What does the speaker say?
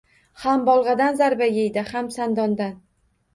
Ham bolg’adan zarba yeydi, ham sandondan.